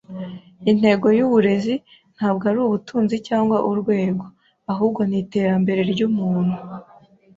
Intego yuburezi ntabwo ari ubutunzi cyangwa urwego, ahubwo ni iterambere ryumuntu.